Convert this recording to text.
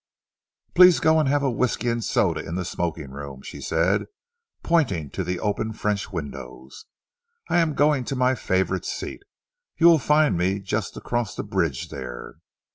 "Please go and have a whisky and soda in the smoking room," she said, pointing to the open French windows. "I am going to my favourite seat. You will find me just across the bridge there."